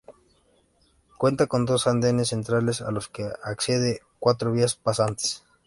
Cuenta con dos andenes centrales a los que acceden cuatro vías pasantes.